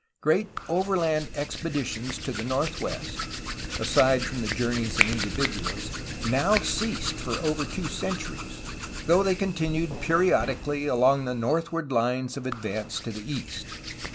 Great overland expeditions to the northwest, aside from the journeys of individuals, now ceased for over two cen turies, though they continued periodically along the north ward Hnes of advance to the east.